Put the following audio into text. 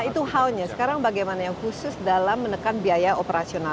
nah itu how nya sekarang bagaimana yang khusus dalam menekan biaya operasional